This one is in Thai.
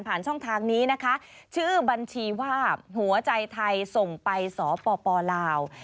ช่องทางนี้นะคะชื่อบัญชีว่าหัวใจไทยส่งไปสปลาว